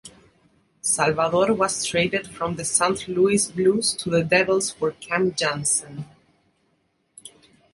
Salvador was traded from the Saint Louis Blues to the Devils for Cam Janssen.